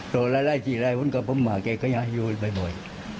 ตอนร้ายสีร้ายผมก็มาแก้ไขให้อยู่บ่อย